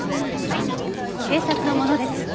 はい警察の者です。